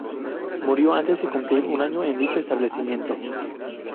Murió antes de cumplir un año en dicho establecimiento.